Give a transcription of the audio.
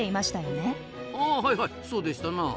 あはいはいそうでしたな。